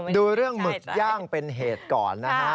ดูเรื่องหมึกย่างเป็นเหตุก่อนนะฮะ